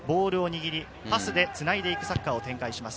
パスでつないでいくサッカーを展開します。